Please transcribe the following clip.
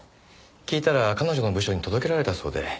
聞いたら彼女の部署に届けられたそうで。